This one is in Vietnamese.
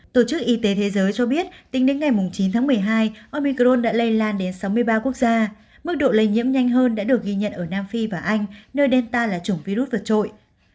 tổ chức y tế thế giới cho biết tính đến ngày chín tháng một mươi hai omicron đã lây lan đến sáu mươi ba quốc gia mức độ lây nhiễm nhanh hơn đã được ghi nhận ở nam phi và anh nơi delta là chủng virus vượt trội